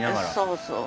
そうそう。